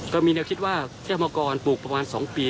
ก็มีแนวคิดว่าเทพมังกรปลูกประมาณ๒ปี